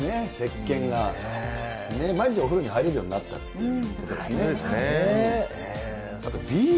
せっけんがね、毎日お風呂に入れるようになったということですね。